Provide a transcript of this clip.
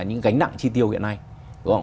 những gánh nặng chi tiêu hiện nay đúng không ạ